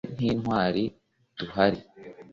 twe ntitwari duhari